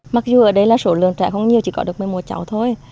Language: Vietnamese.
mặc dù ở đây là số lượng trẻ không nhiều chỉ có được một mươi một cháu thôi